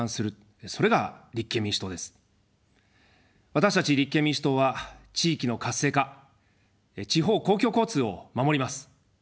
私たち立憲民主党は地域の活性化、地方公共交通を守ります。